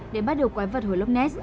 để bắt được quái vật hồ lop ness